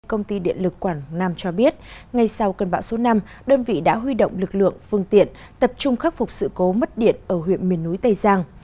công ty điện lực quảng nam cho biết ngay sau cơn bão số năm đơn vị đã huy động lực lượng phương tiện tập trung khắc phục sự cố mất điện ở huyện miền núi tây giang